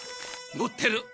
持ってる。